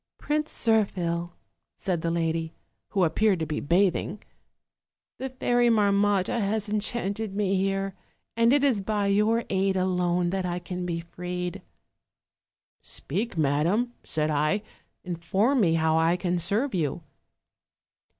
" 'Prince Zirphil,' said the lady, who appeared to be bathing, 'the Fairy Marmotta has enchanted me here, and it is by your aid alone that I can be freed.' " 'Speak, madam,' said I, 'inform me how I can serve you.'